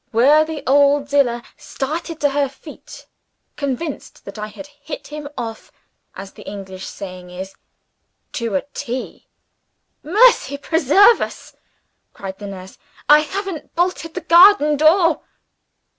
Worthy old Zillah started to her feet, convinced that I had hit him off (as the English saying is) to a T. "Mercy preserve us!" cried the nurse, "I haven't bolted the garden door!"